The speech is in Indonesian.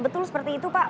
betul seperti itu pak